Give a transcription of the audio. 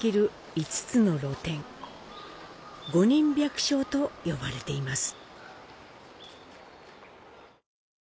五人百姓と呼ばれています。